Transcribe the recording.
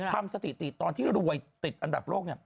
ทำสถิติตอนที่รวยติดอันดับโลกเนี่ย